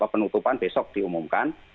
penutupan besok diumumkan